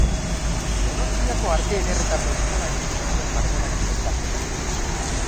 Donostiako Arte Ederretako Eskolan egin zituen Margolaritza ikasketak.